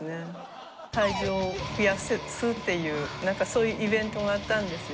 体重を増やすっていう何かそういうイベントがあったんですよ。